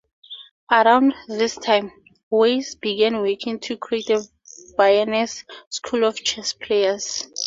Around this time, Weiss began working to create a Viennese school of chess players.